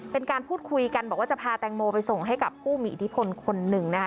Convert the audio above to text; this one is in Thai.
เป็นการพูดคุยกันบอกว่าจะพาแตงโมไปส่งให้กับผู้มีอิทธิพลคนหนึ่งนะคะ